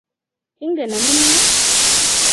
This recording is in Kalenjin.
Ingen amune?